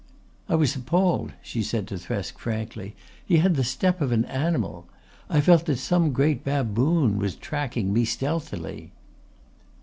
"I was appalled," she said to Thresk frankly. "He had the step of an animal. I felt that some great baboon was tracking me stealthily."